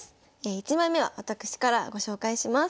１枚目は私からご紹介します。